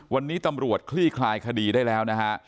วันนี้ตำรวจคลี่คลายคดีได้แล้วนะฮะ